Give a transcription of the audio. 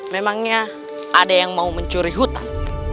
memangnya ada yang mau mencuri hutan